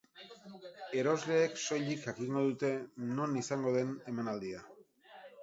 Erosleek soilik jakingo dute non izango den emanaldia.